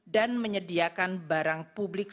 dan menyediakan barang publik